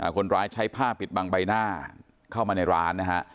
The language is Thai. คนร้ายใช้ผ้าปิดบังใบหน้าเข้ามาในร้านนะฮะ